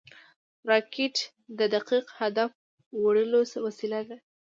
راکټ د دقیق هدف وړلو وسیله ده